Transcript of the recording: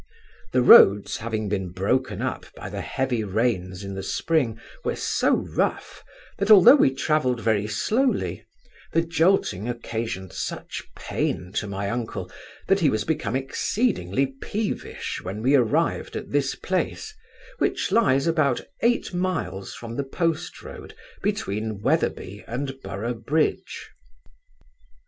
The roads, having been broken up by the heavy rains in the spring, were so rough, that although we travelled very slowly, the jolting occasioned such pain, to my uncle, that he was become exceedingly peevish when we arrived at this place, which lies about eight miles from the postroad, between Wetherby and Boroughbridge.